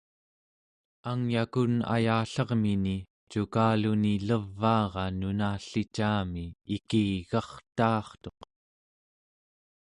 angyakun ayallermini cukaluni levaara nunallicami ikig'artaartuq